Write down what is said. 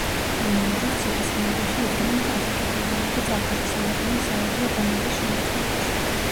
ამავე დროს ციხესიმაგრეში იდგნენ კაზაკები, რომლებიც ახორციელებდნენ სავაჭრო გემების შემოწმებას.